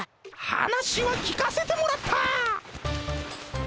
話は聞かせてもらった。